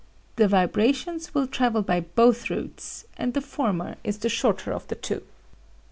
The vibrations will travel by both routes, and the former is the shorter of the two."